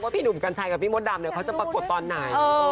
ว่าพี่หนุ่มกันชายกับพี่มดดำเขาจะปรากฏตอนไหน